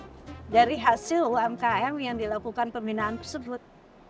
dengan demi demi jadi kita dapat lihat yang berhasil diangkat oleh umkm yang dilakukan pembinaan tersebut